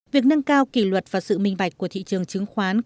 việc nâng cao kỷ luật và sự minh bạch của thị trường chứng khoán